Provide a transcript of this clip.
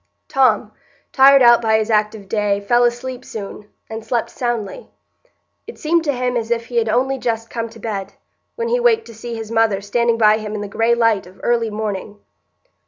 Tom, tired out by his active day, fell asleep soon, and slept soundly; it seemed to him as if he had only just come to bed, when he waked to see his mother standing by him in the gray light of early morning.